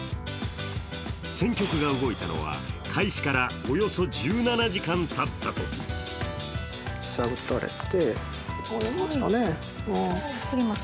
戦局が動いたのは、開始からおよそ１７時間たったとき。